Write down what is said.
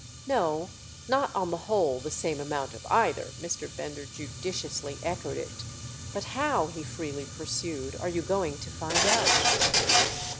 "No, not on the whole the same amount of either!"—Mr. Bender judiciously echoed it. "But how," he freely pursued, "are you going to find out?"